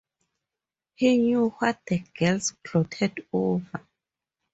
He knew what the girls gloated over.